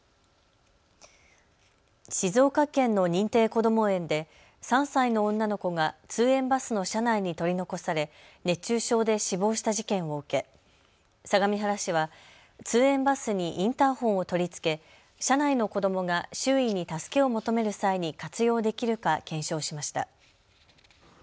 静岡県の認定こども園で３歳の女の子が通園バスの車内に取り残され熱中症で死亡した事件を受け、相模原市は通園バスにインターホンを取り付け車内の子どもが周囲に助けを求める際に活用できるか検証しました。